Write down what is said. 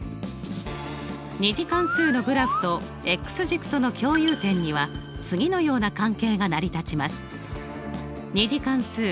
２次関数のグラフと軸との共有点には次のような関係が成り立ちます。